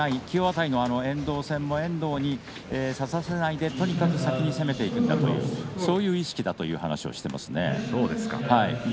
きのう辺りの遠藤戦も遠藤に差させないでとにかく先に攻めていくんだという、そういう意識がという話をしています。